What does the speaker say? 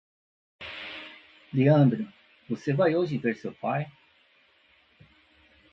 Leandro, você vai hoje ver seu pai?